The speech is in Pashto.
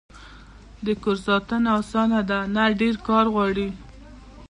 د کور ساتنه اسانه ده؟ نه، ډیر کار غواړی